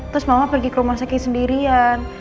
terus mama pergi ke rumah sakit sendiri ya